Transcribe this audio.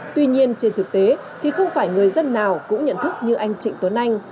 tuy nhiên trên thực tế thì không phải người dân nào cũng nhận thức như anh trịnh tuấn anh